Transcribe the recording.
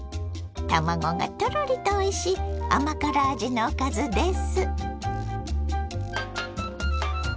卵がトロリとおいしい甘辛味のおかずです。